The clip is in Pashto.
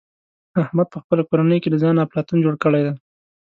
احمد په خپله کورنۍ کې له ځانه افلاطون جوړ کړی دی.